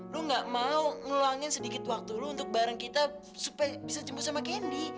lo nggak mau ngulangin sedikit waktu lo untuk bareng kita supaya bisa jemput sama candy